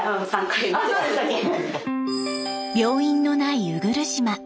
病院のない鵜来島。